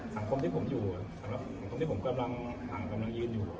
สังคมที่ผมอยู่สังคมที่ผมกำลังยืนอยู่